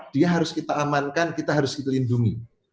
dia harus kita amankan kita harus kita lindungi